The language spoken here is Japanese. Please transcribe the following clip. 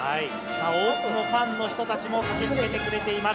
多くのファンの人たちも駆けつけてくれています。